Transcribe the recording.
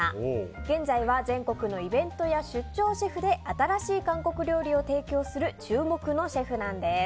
現在は全国のイベントや出張シェフで新しい韓国料理を提供する注目のシェフなんです。